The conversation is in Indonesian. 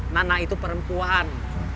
nana itu perempuan